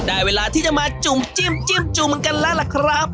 ได้เวลาที่จะมาจุ่มจิ้มจิ้มจุ่มกันแล้วล่ะครับ